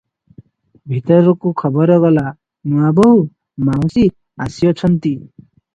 ଭିତରକୁ ଖବର ଗଲା, ନୂଆବୋହୂ ମାଉସୀ ଆସିଅଛନ୍ତି ।